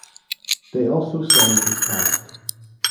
They also signed his cast.